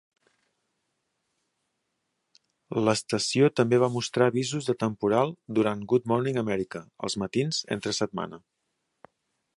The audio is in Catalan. L'estació també va mostrar avisos de temporal durant "Good Morning America" els matins entre setmana.